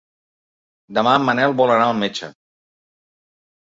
Demà en Manel vol anar al metge.